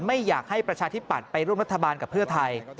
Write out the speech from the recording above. ไม่อยากให้ประชาธิปัตย์ไปร่วมรัฐบาลกับเพื่อไทย